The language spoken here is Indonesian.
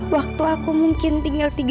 waktu aku mungkin tinggal tiga bulan lagi